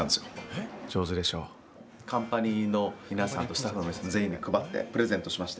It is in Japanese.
カンパニーの皆さんとスタッフの皆さん全員に配ってプレゼントしまして。